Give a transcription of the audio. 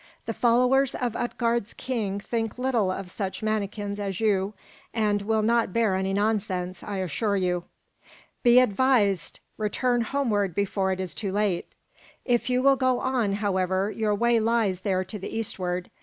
The followers of Utgard's king think little of such manikins as you, and will not bear any nonsense, I assure you. Be advised; return homeward before it is too late. If you will go on, however, your way lies there to the eastward.